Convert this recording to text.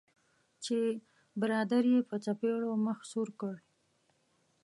چې برادر یې په څپیړو مخ سور کړ.